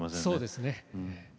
そうですね。